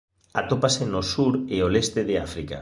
Atópase no sur e o leste de África.